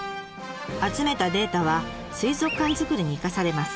集めたデータは水族館作りに生かされます。